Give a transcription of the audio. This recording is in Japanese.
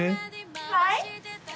はい？